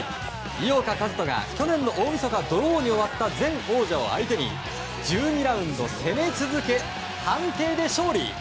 井岡一翔が去年の大みそかドローに終わった前王者を相手に１２ラウンド攻め続け判定で勝利。